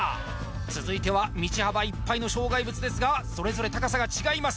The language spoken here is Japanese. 続いては道幅いっぱいの障害物ですがそれぞれ高さが違います